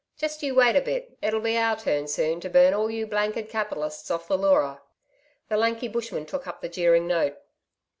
Just you wait a bit. It'll be our turn soon to burn all you blanked capitalists off the Leura.' The lanky bushman took up the jeering note.